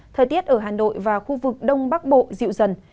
thời tiết ở hà nội và khu vực đông bắc bộ dịu dần